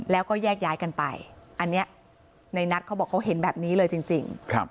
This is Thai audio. แล้วก็แยกย้ายกันไปอันนี้ในนัทเขาบอกเขาเห็นแบบนี้เลยจริง